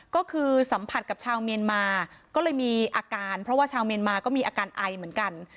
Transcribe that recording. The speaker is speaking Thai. ก็คือสัมผัสกับชาวเมียนมาก็เลยมีอาการเพราะว่าชาวเมียนมาก็มีอาการไอเหมือนกัน